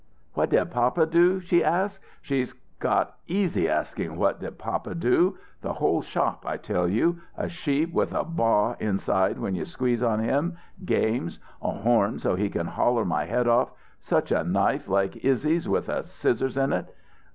"'What did papa do?' she asks. She's got easy asking. 'What did papa do?' The whole shop, I tell you. A sheep with a baa inside when you squeeze on him games a horn so he can holler my head off such a knife like Izzy's with a scissors in it!